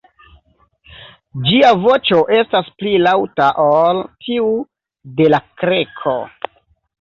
Ĝia voĉo estas pli laŭta ol tiu de la Kreko.